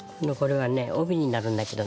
帯になるんだけどね